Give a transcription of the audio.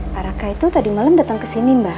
paraka itu tadi malam datang kesini mbak